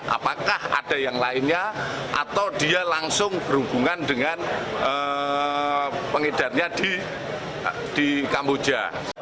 apakah ada yang lainnya atau dia langsung berhubungan dengan pengedarnya di kamboja